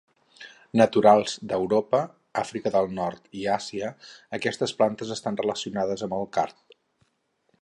Naturals d'Europa, Àfrica del Nord i Àsia, aquestes plantes estan relacionades amb el card.